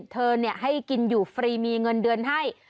เธอให้กินอยู่ฟรีมีเงินเดือนให้